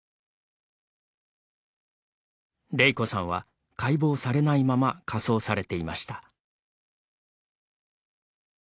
れいこさんは、解剖されないまま火葬されていました。